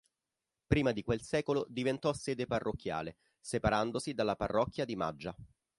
Prima di quel secolo diventò sede parrocchiale, separandosi dalla parrocchia di Maggia.